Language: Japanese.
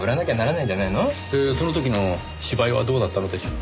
でその時の芝居はどうだったのでしょう？